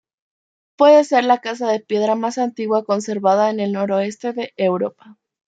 Puede ser la casa de piedra más antigua conservada en el noroeste de Europa.